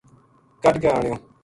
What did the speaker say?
کَڈھ کے آنیو